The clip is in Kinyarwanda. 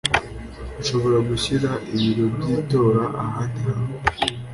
ashobora gushyira ibiro by itora ahandi hantu